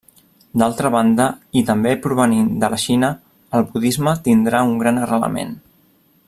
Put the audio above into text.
D’altra banda, i també provenint de la Xina, el budisme tindrà un gran arrelament.